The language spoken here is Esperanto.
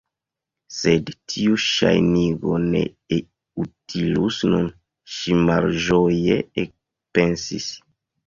"Sed tiu ŝajnigo ne utilus nun"—ŝi malĝoje ekpensis—.